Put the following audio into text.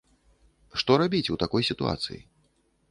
Што рабіць у такой сітуацыі?